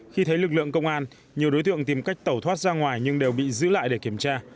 khi thấy lực lượng công an nhiều đối tượng tìm cách tẩu thoát ra ngoài nhưng đều bị giữ lại để kiểm tra